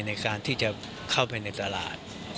ในการที่จะเข้าไปในตลาด